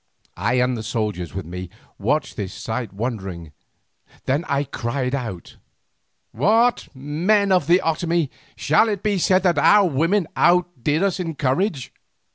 I and the soldiers with me watched this sight wondering, then I cried out: "What! men of the Otomie, shall it be said that our women outdid us in courage?"